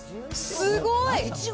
すごい！